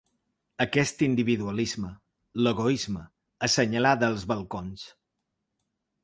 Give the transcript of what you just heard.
Aquest individualisme, l’egoisme, assenyalar dels balcons…